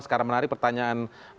sekarang menarik pertanyaan